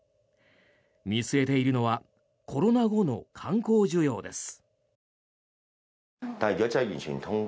見据えているのはコロナ後の観光需要です。